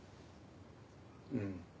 うん。